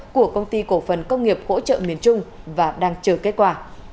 của công ty cổ phần công nghiệp hỗ trợ miền trung và đang chờ kết quả